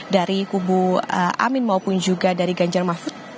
dari kubu amin maupun juga dari ganjar mahfud